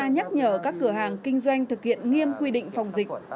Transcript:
hàng ngày đi kiểm tra nhắc nhở các cửa hàng kinh doanh thực hiện nghiêm quy định phòng dịch